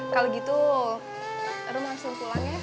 kalau gitu aduh langsung pulang ya